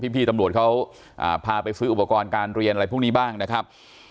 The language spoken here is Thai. พี่ตำรวจเขาพาไปซื้ออุปกรณ์การเรียนอะไรพวกนี้บ้างนะครับ